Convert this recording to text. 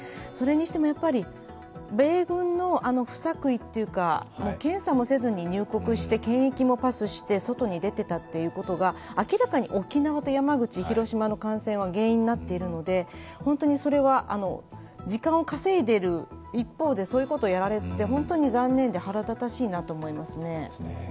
それにしても米軍の不作為というか、検査もせずに入国して検疫もパスして外に出ていたということが明らかに沖縄と山口、広島の感染は原因になっているので、本当にそれは時間を稼いでいる一方で、そういうことをやられて本当に残念で腹立たしいなと思いますね。